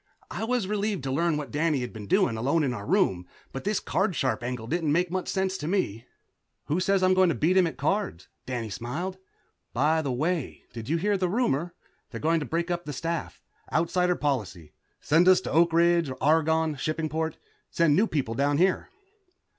I was relieved to learn what Danny had been doing, alone in our room, but this card sharp angle didn't make much sense to me. "Who says I'm going to beat him at cards?" smiled Danny. "By the way, did you hear the rumor? They're going to break up the staff, Outsider policy, send us to Oak Ridge, Argonne, Shippingport, send new people down here."